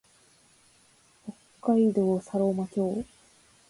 北海道佐呂間町